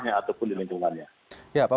ya pak pak